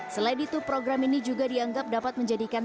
selain itu program ini juga dianggap dapat menjadikan